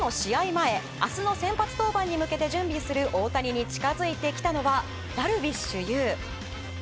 前明日の先発登板に向けて準備する大谷に近づいてきたのはダルビッシュ有。